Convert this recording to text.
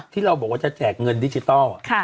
ที่เราบอกว่าจะแจกเงินดิจิทัล